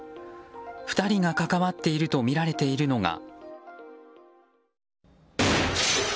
２人が関わっているとみられているのが。